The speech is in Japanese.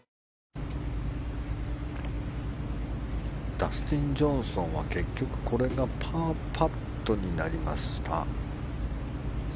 ダスティン・ジョンソンは結局、これがパーパットになりました。